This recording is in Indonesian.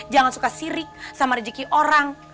jangan suka sirik sama rezeki orang